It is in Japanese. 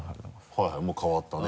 はいはい変わったね。